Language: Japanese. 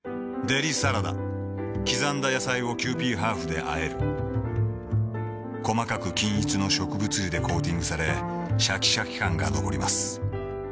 デリサラダ刻んだ野菜をキユーピーハーフであえる細かく均一の植物油でコーティングされシャキシャキ感が残ります